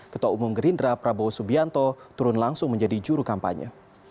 ketua umum gerindra prabowo subianto turun langsung menjadi juru kampanye